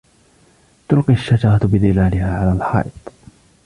تلقي الشجرة بظلالها على الحائط.